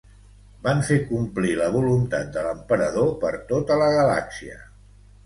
Van fer complir la voluntat de l'Emperador per tota la galàxia.